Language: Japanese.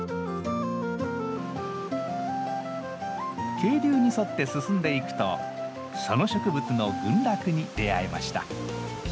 渓流に沿って進んでいくとその植物の群落に出会えました。